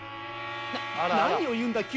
「な何を言うんだ急に」